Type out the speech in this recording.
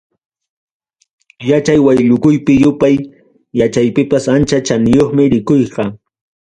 Yachay wayllukuypi, yupay yachaypipas ancha chaniyuqmi rikuyqa.